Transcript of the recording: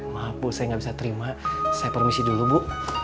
maaf bu saya nggak bisa terima saya permisi dulu bu